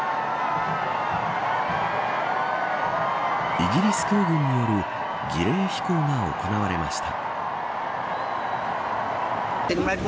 イギリス空軍による儀礼飛行が行われました。